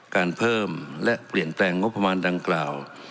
การเพิ่มและเปลี่ยนแปลงงบประมาณดังกล่าว